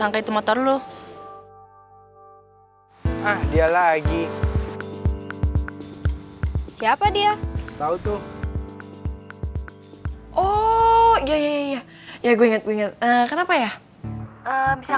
aku gak tahu harus tinggal dimana mas